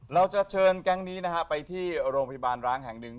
เราจะเชิญแก๊งนี้นะฮะไปที่โรงพยาบาลร้างแห่งหนึ่ง